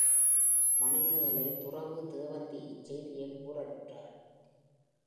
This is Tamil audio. மணிமேகலை துறவு தேவந்தி இச்செய்தியைக் கூறலுற்றாள்.